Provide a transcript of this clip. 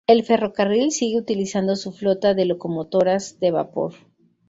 El ferrocarril sigue utilizando su flota de locomotoras de vapor.